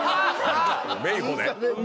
メイホで？